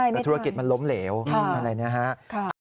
ประธุรกิจมันล้มเหลวอะไรแบบนี้ครับ